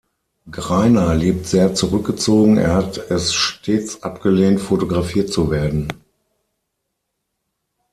Greiner lebt sehr zurückgezogen, er hat es stets abgelehnt, fotografiert zu werden.